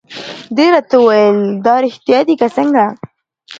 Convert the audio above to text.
دې راته وویل: دا رېښتیا دي که څنګه؟